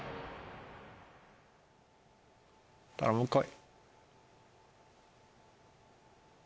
頼むこい。